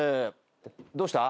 どうした？